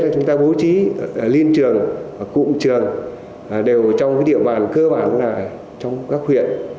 chúng ta bố trí liên trường cụm trường đều trong cái địa bàn cơ bản này trong các huyện